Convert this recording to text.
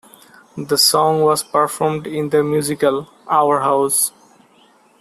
The song was performed in the musical, 'Our House.